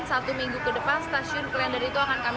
satu minggu ke depan stasiun klender itu akan kami